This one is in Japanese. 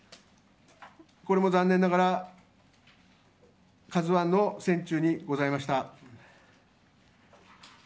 これも残念ながら「ＫＡＺＵ１」の船中にございました。